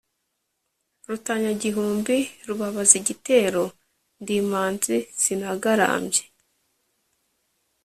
Rutanyagihumbi, rubabaza igitero, ndi imanzi sinagarambye